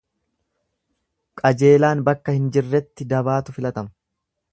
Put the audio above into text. Qajeelaan bakka hin jirretti dabaatu filatama.